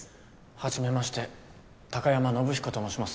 はじめまして貴山伸彦と申します。